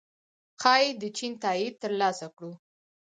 ښايي د چین تائید ترلاسه کړو